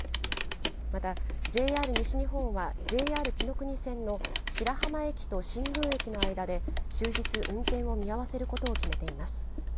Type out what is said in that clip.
また、ＪＲ西日本はＪＲきのくに線の白浜駅と新宮駅の間で終日、運転を見合わせることを決めています。